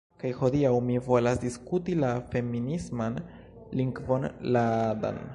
Kaj hodiaŭ mi volas diskuti la feminisman lingvon, Láadan